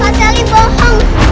pak seli bohong